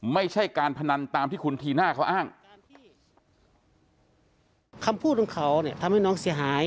ไม่ใช่การพนันตามที่คุณธีน่าเขาอ้าง